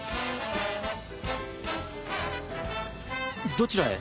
どちらへ？